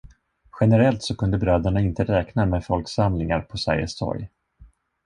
Generellt så kunde bröderna inte räkna med folksamlingar på Sergels torg.